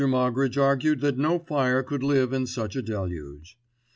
Moggridge argued that no fire could live in such a deluge.